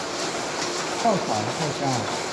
ข้าวสารข้าวเจ้า